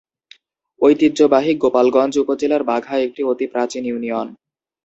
ঐতিহ্যবাহী গোলাপগঞ্জ উপজেলার বাঘা একটি অতি প্রাচীন ইউনিয়ন।